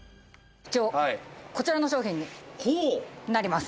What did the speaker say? こちらの商品になります。